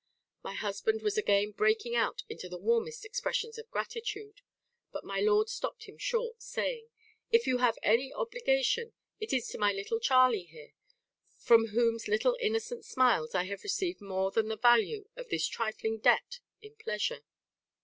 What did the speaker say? My husband was again breaking out into the warmest expressions of gratitude, but my lord stopt him short, saying, 'If you have any obligation, it is to my little Charley here, from whose little innocent smiles I have received more than the value of this trifling debt in pleasure.